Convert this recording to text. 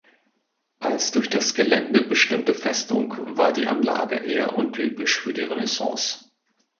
Als durch das Gelände bestimmte Festung war die Anlage eher untypisch für die Renaissance.